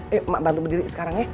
yuk ma bantu berdiri sekarang ya